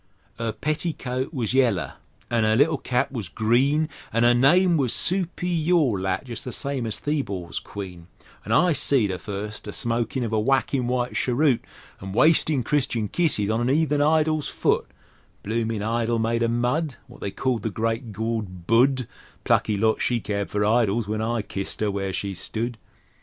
'Er petticoat was yaller an' 'er little cap was green, An' 'er name was Supi yaw lat jes' the same as Theebaw's Queen, An' I seed her first a smokin' of a whackin' white cheroot, An' a wastin' Christian kisses on an 'eathen idol's foot: Bloomin' idol made o'mud Wot they called the Great Gawd Budd Plucky lot she cared for idols when I kissed 'er where she stud!